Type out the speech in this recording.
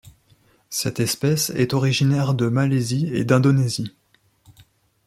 Cette espèce est originaire de Malaisie et d'Indonésie.